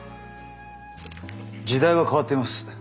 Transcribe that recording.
時代は変わっています。